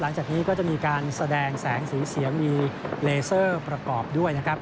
หลังจากนี้ก็จะมีการแสดงแสงสีเสียงมีเลเซอร์ประกอบด้วยนะครับ